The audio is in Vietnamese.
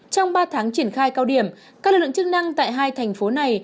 trong ba tháng triển khai cao điểm các lực lượng chức năng tại hai thành phố này